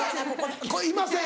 いません